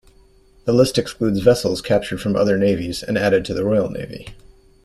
The list excludes vessels captured from other navies and added to the Royal Navy.